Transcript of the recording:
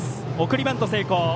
送りバント成功。